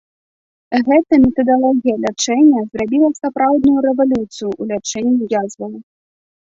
Гэта метадалогія лячэння зрабіла сапраўдную рэвалюцыю ў лячэнні язваў.